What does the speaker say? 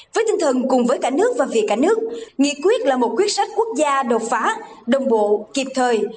với tinh thần cùng với cả nước và vì cả nước nghị quyết là một quyết sách quốc gia đột phá đồng bộ kịp thời